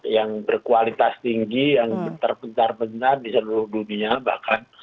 yang berkualitas tinggi yang terpencar pencar di seluruh dunia bahkan